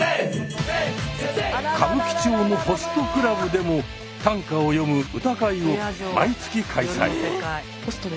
歌舞伎町のホストクラブでも短歌を詠む「歌会」を毎月開催。